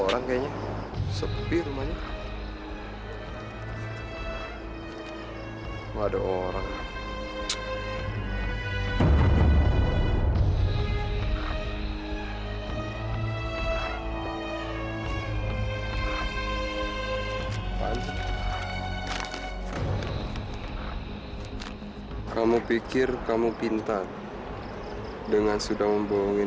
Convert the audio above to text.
saya kesana sekarang